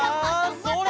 それ！